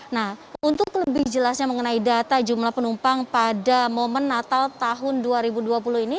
nah untuk lebih jelasnya mengenai data jumlah penumpang pada momen natal tahun dua ribu dua puluh ini